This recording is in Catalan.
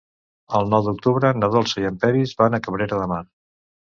El nou d'octubre na Dolça i en Peris van a Cabrera de Mar.